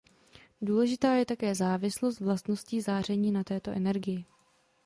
Důležitá je také závislost vlastností záření na této energii.